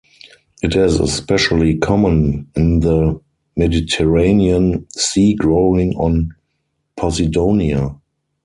It is especially common in the Mediterranean Sea growing on "Posidonia".